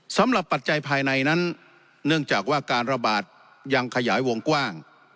ปัจจัยภายในนั้นเนื่องจากว่าการระบาดยังขยายวงกว้าง